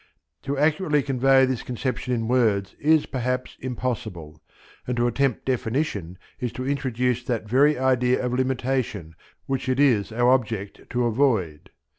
To accurately convey this conception in words, is perhaps, impossible, and to attempt definition is to introduce that very idea of limitation which is our object to avoid.